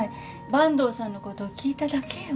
坂東さんのことを聞いただけよ